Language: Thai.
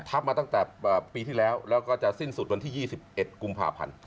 มาตั้งแต่ปีที่แล้วแล้วก็จะสิ้นสุดวันที่๒๑กุมภาพันธ์